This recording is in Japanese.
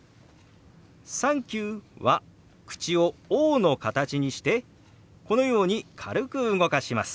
「サンキュー」は口を「オー」の形にしてこのように軽く動かします。